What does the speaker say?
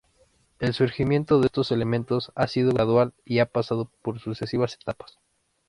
El surgimiento de estos elementos ha sido gradual y ha pasado por sucesivas etapas.